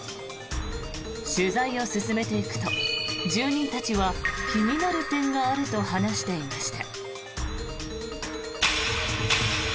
取材を進めていくと住人たちは気になる点があると話していました。